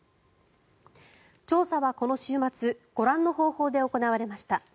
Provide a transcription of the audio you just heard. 調査はこの週末ご覧の方法で行われました。